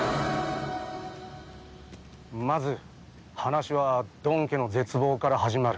まず話はドン家の絶望から始まる。